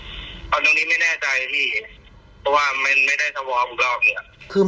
เพราะว่าไม่ได้สวมอีกรอบ